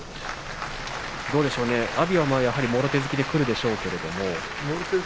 どうでしょうか阿炎はもろ手突きでくるでしょうけれども。